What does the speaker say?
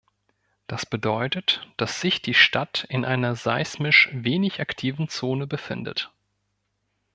Das bedeutet, dass sich die Stadt in einer seismisch wenig aktiven Zone befindet.